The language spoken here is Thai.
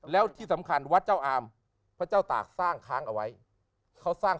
แล้วที่สำคัญวัดเจ้าอามพระเจ้าตากสร้างค้างเอาไว้เขาสร้าง